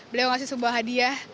beliau ngasih sebuah hadiah